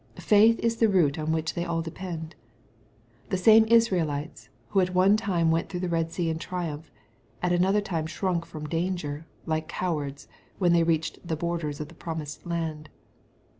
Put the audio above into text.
Faith is the root on which they all depend. The same Israelites who at one time went through the Bed Sea in triumph, at another time shrunk from danger, like cowards, when they reached the borders of the promised land.